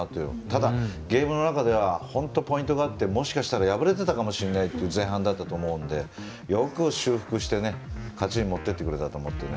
ただ、ゲームの中では本当、ポイントがあってもしかしたら敗れていたかもしれないという前半だったと思うのでよく修復して勝ちに持っていってくれたと思って。